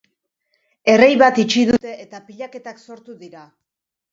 Errei bat itxi dute, eta pilaketak sortu dira.